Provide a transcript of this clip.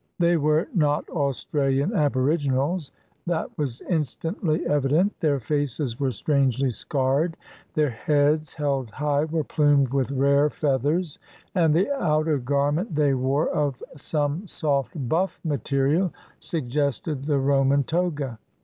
They were not AustraUan aboriginals. That was instantly evident. Their faces were strangely scarred, their heads, held high, were plumed with rare feathers, and the outer garment they wore, of some soft bu£E material, suggested the Roman toga.